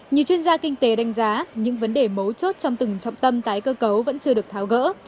nhiều chuyên gia kinh tế đánh giá những vấn đề mấu chốt trong từng trọng tâm tái cơ cấu vẫn chưa được tháo gỡ